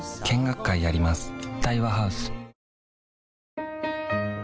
見学会やります